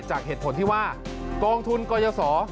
จากเหตุผลที่ว่ากองทุนกรยาศร